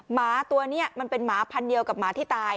หมาตัวนี้มันเป็นหมาพันเดียวกับหมาที่ตาย